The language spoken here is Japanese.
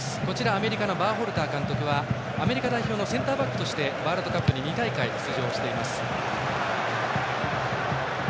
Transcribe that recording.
アメリカのバーホルター監督はアメリカ代表のセンターバックとしてワールドカップに２大会出場しています。